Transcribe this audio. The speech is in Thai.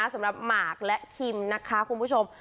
สำหรับหมากและคิมนะคะคุณผู้ชม